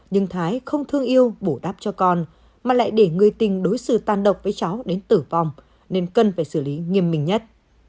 nhưng thái không thương yêu bổ đáp cho con mà lại để người tình đối xử tan độc với cháu đến tử vong nên cần phải xử lý nghiêm minh nhất